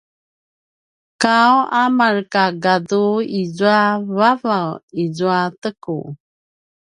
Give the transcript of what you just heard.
’aw a markagadu izua vavaw izua teku